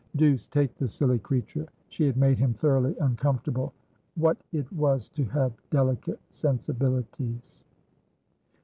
Deuce take the silly creature! She had made him thoroughly uncomfortable. What it was to have delicate sensibilities!